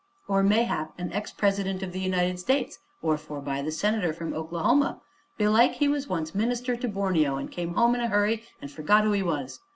"Or mayhap an ex president of the United States, or forby the senator from Oklahoma. Belike he was once minister to Borneo, an' came home in a hurry an' forgot who he was.